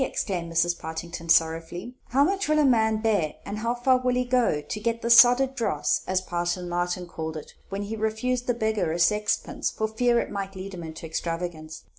exclaimed Mrs. Partington sorrowfully, "how much a man will bear, and how far he will go, to get the soddered dross, as Parson Martin called it when he refused the beggar a sixpence for fear it might lead him into extravagance!